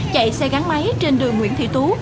chạy xe gắn máy trên đường nguyễn thị tú